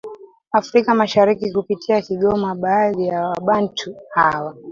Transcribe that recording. Afrika mashariki kupitia Kigoma Baadhi yawabantu hawa